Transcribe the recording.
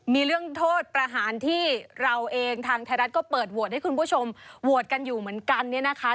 มีเรื่องโทษประหารที่เราเองทางไทยรัฐก็เปิดโหวตให้คุณผู้ชมโหวตกันอยู่เหมือนกันเนี่ยนะคะ